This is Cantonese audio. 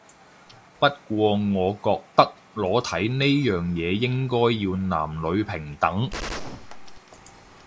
不過我覺得裸體呢樣嘢應該要男女平等